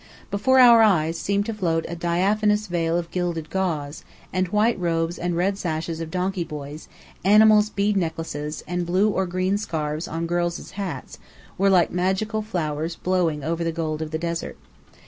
Before our eyes seemed to float a diaphanous veil of gilded gauze; and white robes and red sashes of donkey boys, animals' bead necklaces, and blue or green scarfs on girls' hats, were like magical flowers blowing over the gold of the desert.